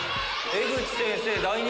江口先生？